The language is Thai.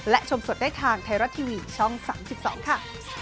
และชมสดได้ทางไทยรัฐทีวีช่อง๓๒ค่ะ